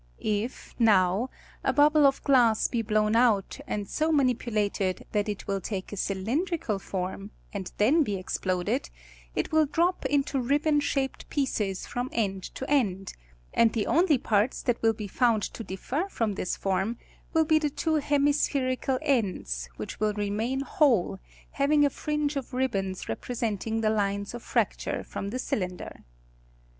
If, now, a bubble of glass be blown out, and so manipulaled that it will take a cylindrical form, and then be exploded, it will drop Into ribbon shaped jiieces from end to end; and the only parts that will be found to differ from this form will be the Iwohenilsidierical ends, which will remain whole, liaving a fringe of ribbons representing the lines of fracture from the cylinder.